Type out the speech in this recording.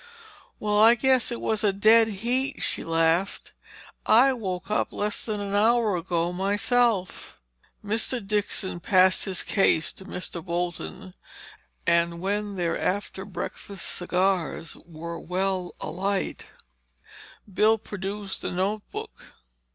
"Well, I guess it was a dead heat," she laughed. "I woke up less than an hour ago, myself." Mr. Dixon passed his case to Mr. Bolton and when their after breakfast cigars were well alight, Bill produced the notebook.